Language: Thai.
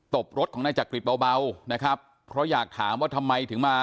บรถของนายจักริตเบานะครับเพราะอยากถามว่าทำไมถึงมา